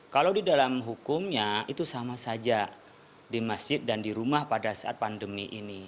kalau di dalam hukumnya itu sama saja di masjid dan di rumah pada saat pandemi ini